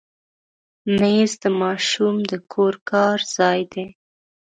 مېز د ماشوم د کور کار ځای دی.